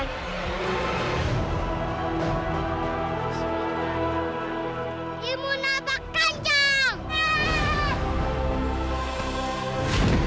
ibu nabak kanjang